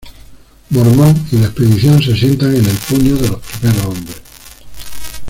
Mormont y la expedición se asientan en el Puño de los Primeros Hombres.